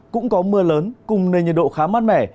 cũng có mưa lớn cùng nền nhiệt độ khá mát mẻ